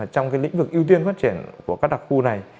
trong lĩnh vực ưu tiên phát triển của các đặc khu này